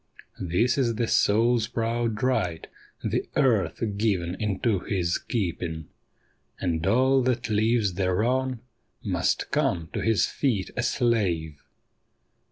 This is the soul's proud right, the earth given into his keeping; And all that lives thereon must come to his feet a slave.